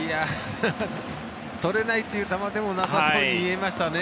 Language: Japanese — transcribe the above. とれないという球でもなさそうに見えましたね。